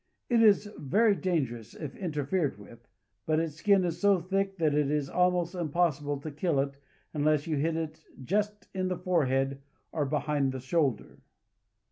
It is very dangerous if interfered with, and its skin is so thick that it is almost impossible to kill it unless you hit it just in the forehead or behind the shoulder.